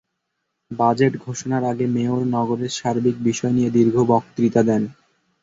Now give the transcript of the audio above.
Budget ঘোষণার আগে mayor নগরের সার্বিক বিষয় নিয়ে দীর্ঘ বক্তৃতা দেন।